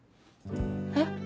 えっ？